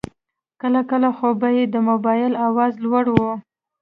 کله کله خو به یې د موبایل آواز لوړ و.